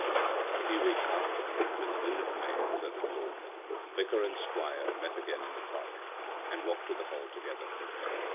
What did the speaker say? A few weeks after, when the moon of May was at the full, Vicar and Squire met again in the park, and walked to the Hall together.